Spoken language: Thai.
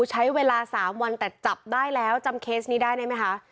ใช้เวลา๓วันแต่จับได้แล้วจำเคสนี้ได้ได้ไหมคะ